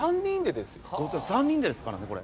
３人でですからねこれ。